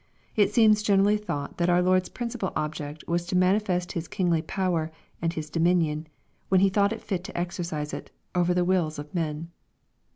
It seems generally thought that our Lord's principal object was to manifest His kingly power, and His dominion, when He thought fit to exercise it, over the wills of men.